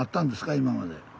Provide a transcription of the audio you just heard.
今まで。